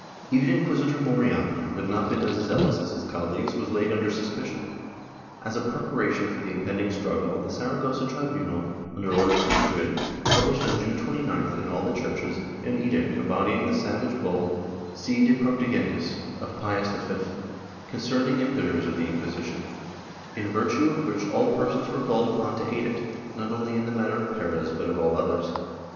Even Inquisitor Morejon, who had not been as zealous as his colleagues, was laid under suspicion. As a prepara tion for the impending struggle, the Saragossa tribunal, under orders from Madrid, published, on June 29th, in all the churches, an edict embodying the savage bull Si de Protegendis of Pius V, concerning impeders of the Inciuisition, in virtue of which all per sons were called upon to aid it, not only in the matter of Perez but of all others.